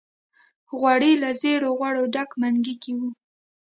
غوړي له زېړو غوړو ډک منګي کې وو.